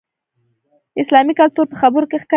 اسلامي کلتور په خبرو کې ښکاري.